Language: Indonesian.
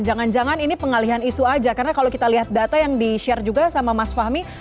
jangan jangan ini pengalihan isu aja karena kalau kita lihat data yang di share juga sama mas fahmi